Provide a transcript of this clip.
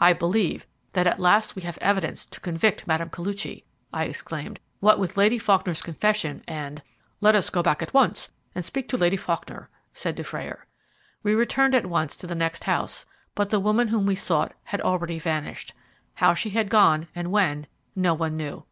"I believe that at last we have evidence to convict Mme. Koluchy," I exclaimed. "What with Lady Faulkner's confession, and " "Let us go back at once and speak to Lady Faulkner," said Dufrayer. We returned at once to the next house, but the woman whom we sought had already vanished. How she had gone, and when, no one knew.